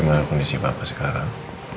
bagaimana kondisi papa sekarang